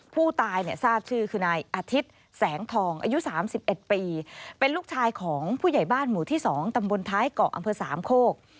ผู้ตายเนี่ยทราบชื่อคือนายอาทิตย์แสงทองอายุ๓๑ปีเป็นลูกชายของผู้ใหญ่บ้านหมู่ที่๒ตำบลท้ายเกาะอำเภอสามโคก